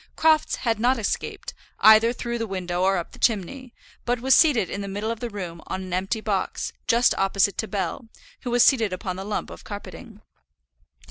Crofts had not escaped, either through the window or up the chimney, but was seated in the middle of the room on an empty box, just opposite to Bell, who was seated upon the lump of carpeting.